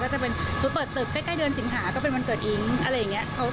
จะเป็นชุดเปิดตึกใกล้เดือนสิงหาก็เป็นวันเกิดอิ๊งอะไรอย่างนี้